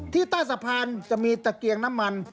ใต้สะพานจะมีตะเกียงน้ำมัน